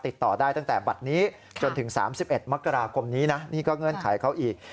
ติดต่อได้ตั้งแต่บัตรนี้จนถึง๓๑มกราคมนี้นะนี่ก็เงื่อนไขเขาอีก